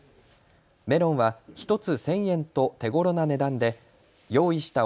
メロンは１つ１０００円と手ごろな値段で用意した